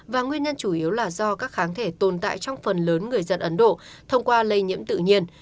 và nguyên nhân chủ yếu là do các kháng thể tồn tại trong phần lớn người dân ấn độ thông qua lây nhiễm tự nhiên